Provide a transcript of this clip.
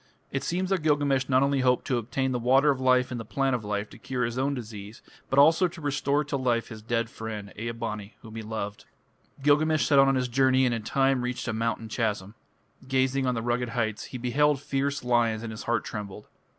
It seems that Gilgamesh not only hoped to obtain the Water of Life and the Plant of Life to cure his own disease, but also to restore to life his dead friend, Ea bani, whom he loved. Gilgamesh set out on his journey and in time reached a mountain chasm. Gazing on the rugged heights, he beheld fierce lions and his heart trembled.